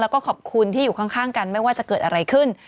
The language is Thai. แล้วก็ขอบคุณที่อยู่ข้างกันไม่ว่าจะเกิดอะไรขึ้น